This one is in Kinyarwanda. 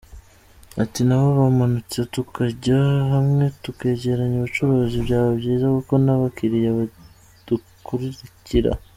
Ati “Nabo bamanutse tukajya hamwe tukegeranya ubucuruzi, byaba byiza kuko n’abakiriya badukurikira.